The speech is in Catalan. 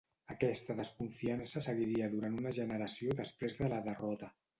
Aquesta desconfiança seguiria durant una generació després de la derrota.